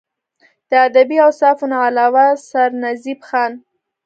د ادبي اوصافو نه علاوه سرنزېب خان